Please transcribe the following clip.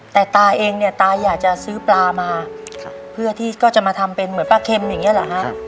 แต่ตาเองเนี่ยตาอยากจะซื้อปลามาเพื่อที่ก็จะมาทำเป็นเหมือนปลาเค็มอย่างเงี้เหรอฮะ